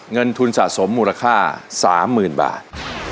เงินทุนสะสมมูลค่า๓๐๐๐บาท